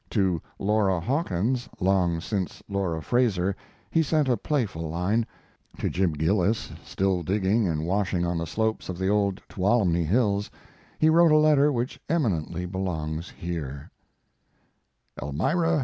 To Laura Hawkins, long since Laura Frazer he sent a playful line; to Jim Gillis, still digging and washing on the slopes of the old Tuolumne hills, he wrote a letter which eminently belongs here: Elmira, N.